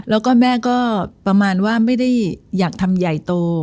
แล้วก็แม่ก็ประมาณว่าไม่ได้อยากทำใหญ่โต